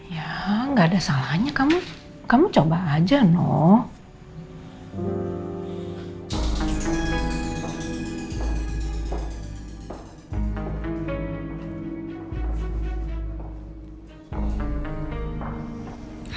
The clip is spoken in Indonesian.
ya gak ada salahnya kamu coba aja noh